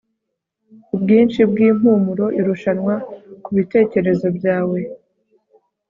Ubwinshi bwimpumuro irushanwa kubitekerezo byawe